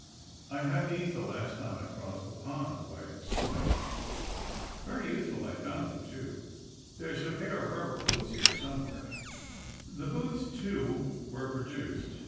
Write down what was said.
I had these the last time I crossed the pond," White explained. '^Very useful I found 'em, too. There's a pair of rubber boots here somewhere. '' U THE SUBMAEINE BOYS V The boots, too, ^ere produced.